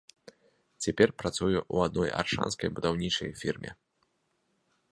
Цяпер працую ў адной аршанскай будаўнічай фірме.